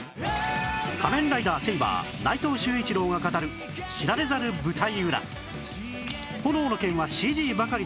仮面ライダーセイバー内藤秀一郎が語る知られざる舞台裏